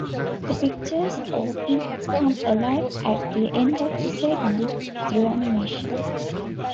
The pictures often come alive at the end of the segment through animation.